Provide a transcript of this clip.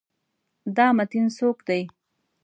دا متین څوک دی؟